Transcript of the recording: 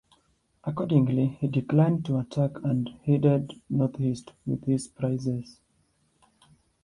Accordingly, he declined to attack and headed northeast with his prizes.